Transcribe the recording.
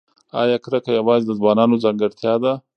ایا کرکه یوازې د ځوانانو ځانګړتیا ده؟